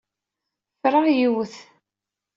Ffreɣ yiwet.